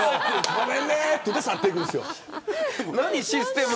ごめんねと言って去っていくんですよ。